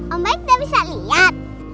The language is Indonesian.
om baik udah bisa lihat